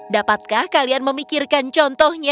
dapatkah kalian memikirkan contohnya